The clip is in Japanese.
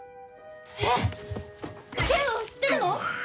えっ景和を知ってるの！？